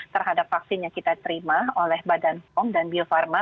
terhadap vaksin yang kita terima oleh badan pom dan bio farma